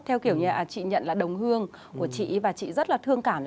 theo kiểu như là chị nhận là đồng hương của chị và chị rất là thương cảm